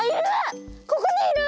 ここにいる！